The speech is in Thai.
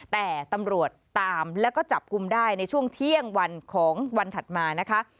แต่ตำรวจตามแล้วก็จับกลุ่มได้ในช่วงเที่ยงวันของวันถัดมานะคะ